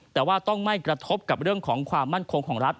แต่ว่าต้องไม่กระทบกับเรื่องของความมั่นคงของรัฐ